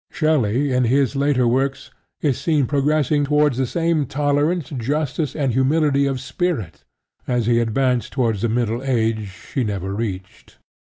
Shelley, in his later works, is seen progressing towards the same tolerance, justice, and humility of spirit, as he advanced towards the middle age he never reached.